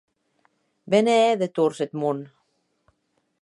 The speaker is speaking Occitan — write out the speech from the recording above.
Be ne hè de torns eth mon!